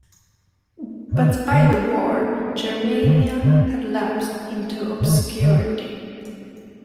But by the war, "Germania" had lapsed into obscurity.